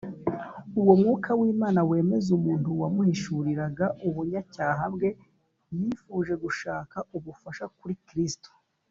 ubwo mwuka w’imana wemeza umuntu yamuhishuriraga ubunyacyaha bwe, yifuje gushaka ubufasha kuri kristo